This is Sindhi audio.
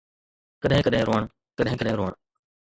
ڪڏھن ڪڏھن روئڻ، ڪڏھن ڪڏھن روئڻ